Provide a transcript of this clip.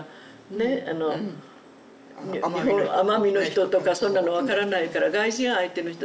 ねあの奄美の人とかそんなの分からないから外人相手の人だから。